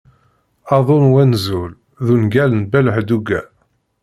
"Aḍu n wenẓul" d ungal n Ben Hedduga.